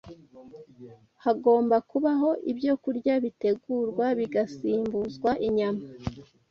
Hagomba kubaho ibyokurya bitegurwa bigasimbuzwa inyama